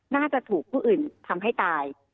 น่าจะถูกผู้อื่นทำให้ตาย